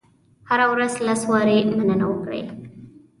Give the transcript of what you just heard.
هره ورځ لس وارې مننه وکړئ.